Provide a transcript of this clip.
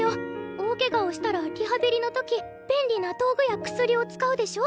大ケガをしたらリハビリの時便利な道具や薬を使うでしょ？